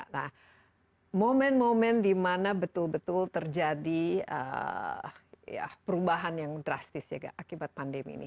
nah momen momen di mana betul betul terjadi perubahan yang drastis ya akibat pandemi ini